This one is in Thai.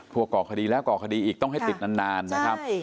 ก่อคดีแล้วก่อคดีอีกต้องให้ติดนานนะครับ